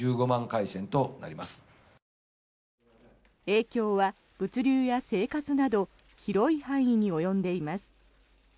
影響は物流や生活など広い範囲に及んでいます。